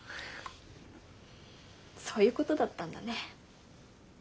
そういうことだったんだね。